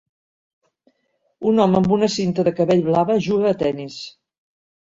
Un home amb una cinta de cabell blava juga a tennis.